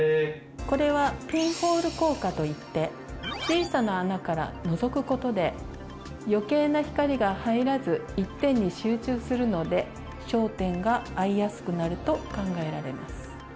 これはピンホール効果といって小さな穴からのぞく事で余計な光が入らず一点に集中するので焦点が合いやすくなると考えられます。